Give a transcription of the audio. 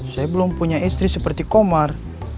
saya belum punya istri seperti komar